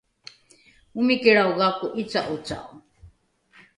omikilrao gako ’ica’oca’o